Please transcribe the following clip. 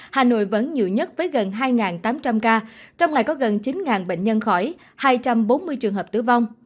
hà nội vẫn nhiều nhất với gần hai tám trăm linh ca trong ngày có gần chín bệnh nhân khỏi hai trăm bốn mươi trường hợp tử vong